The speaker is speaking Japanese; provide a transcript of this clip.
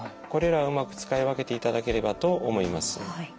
これらをうまく使い分けていただければと思います。